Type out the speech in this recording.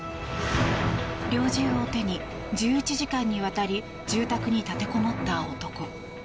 猟銃を手に、１１時間にわたり住宅に立てこもった男。